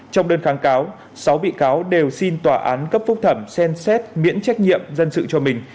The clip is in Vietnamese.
trong đơn kháng cáo sáu bị cáo đều xin tòa án cấp phúc thẩm xem xét miễn trách nhiệm dân sự cho mình